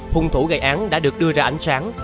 phung thủ gây án đã được đưa ra ảnh sáng